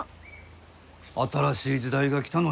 新しい時代が来たのにか？